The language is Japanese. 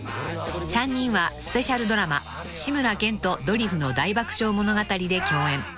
［３人はスペシャルドラマ『志村けんとドリフの大爆笑物語』で共演］